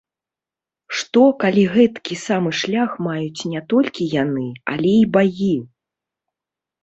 Што, калі гэткі самы шлях маюць не толькі яны, але і багі?